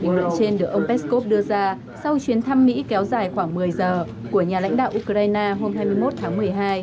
bình luận trên được ông peskov đưa ra sau chuyến thăm mỹ kéo dài khoảng một mươi giờ của nhà lãnh đạo ukraine hôm hai mươi một tháng một mươi hai